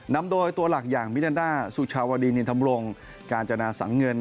นำโดยตัวหลักอย่างมินันดาสุชาวดีนินธรรมรงกาญจนาสังเงิน